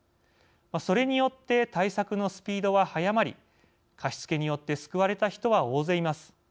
それによって対策のスピードは速まり貸付によって救われた人は大勢います。